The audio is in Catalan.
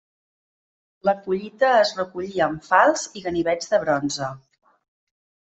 La collita es recollia amb falçs i ganivets de bronze.